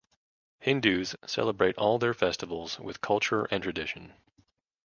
Hindus celebrate all their festivals with culture and tradition.